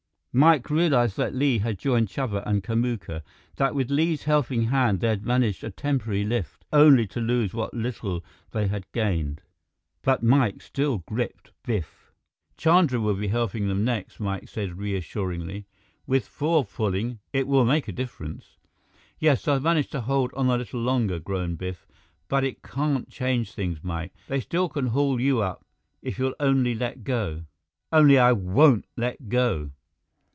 Mike realized that Li had joined Chuba and Kamuka; that with Li's helping hand, they had managed a temporary lift, only to lose what little they had gained. But Mike still gripped Biff. "Chandra will be helping them next," Mike said reassuringly. "With four pulling, it will make a difference." "Yes, they'll manage to hold on a little longer," groaned Biff, "but it can't change things, Mike. They still can haul you up, if you'll only let go." "Only I won't let go!"